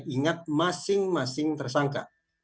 keterangan atau informasi dari daya ibu